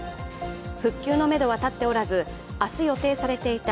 復旧のめどは立っておらず明日予定されていた